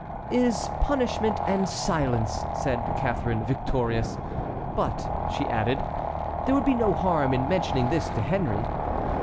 "Is punishment and silence," said Catharine, victorious; "but," she added, "there would be no harm in mentioning this to Henry."